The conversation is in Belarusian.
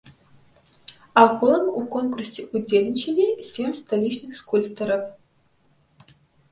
Агулам у конкурсе ўдзельнічалі сем сталічных скульптараў.